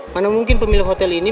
mana mungkin pemilik hotel ini